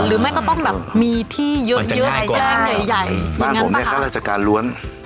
หรือไหมก็ต้องมีที่เยอะใหญ่บ้านผมฆ่าราจการล้วน